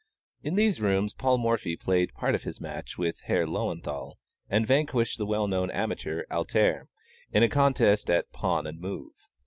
In these rooms Paul Morphy played part of his match with Herr Löwenthal, and vanquished the well known amateur "Alter," in a contest at Pawn and Move.